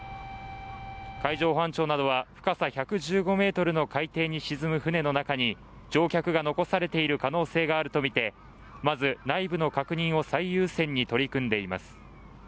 海上保安庁などは深さ１１５ｍの海底に沈む船の中に乗客が残されている可能性があるとみて、まず内部の確認を最優先に取り組んでいます。